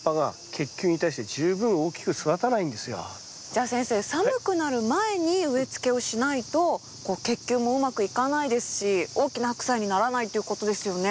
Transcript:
じゃあ先生寒くなる前に植え付けをしないとこう結球もうまくいかないですし大きなハクサイにならないということですよね。